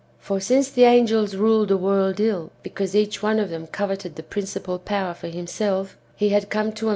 For since the ano els ruled the world ill because each one of them coveted the principal power for himself, he had come to am.